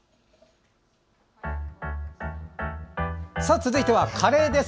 続いてはカレーです。